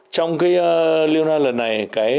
trong liên hoan lần này